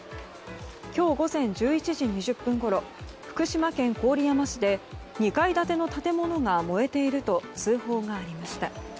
今日午前１１時２０分ごろ福島県郡山市で２階建ての建物が燃えていると通報がありました。